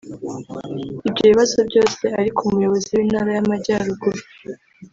Ibyo bibazo byose ariko umuyobozi w’Intara y’Amajyaruguru